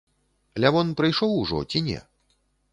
Лявон прыйшоў ужо, ці не?